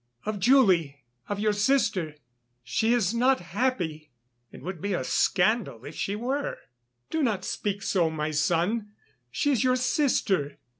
"Of Julie ... of your sister.... She is not happy." "It would be a scandal if she were." "Do not speak so, my son, she is your sister.